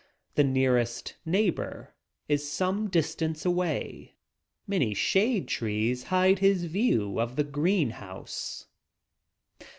The nearest neighbor is some distance away. Many shade trees hide his view of the green house.